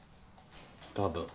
多分。